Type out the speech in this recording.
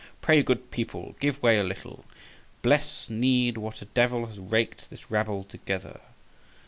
Pray, good people, give way a little. Bless need what a devil has raked this rabble together.